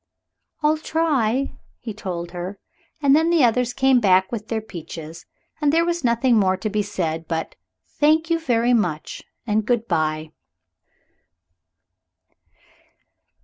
"I'll try," he told her, and then the others came back with their peaches, and there was nothing more to be said but "Thank you very much" and good bye.